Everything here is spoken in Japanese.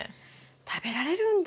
食べられるんだ。